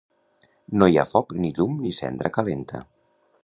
No hi ha foc ni llum ni cendra calenta.